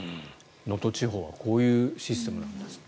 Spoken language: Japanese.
能登地方はこういうシステムなんですね。